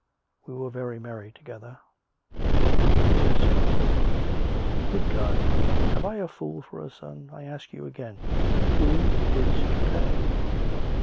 We were very merry together." "Yes, sir?" " Good God ! have I a fool for a son ? I ask you again, Who is it to pay